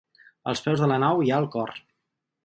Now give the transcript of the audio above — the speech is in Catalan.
Als peus de la nau hi ha el cor.